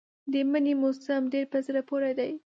د مني موسم ډېر په زړه پورې دی.